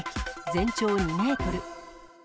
全長２メートル。